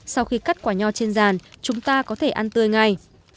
sau khi cắt quả nho trên ràn chúng ta có thể ăn tươi ngay